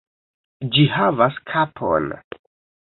Ĝi havas kapon!